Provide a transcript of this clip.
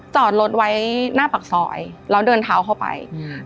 จอดรถไว้หน้าปากซอยแล้วเดินเท้าเข้าไปอืม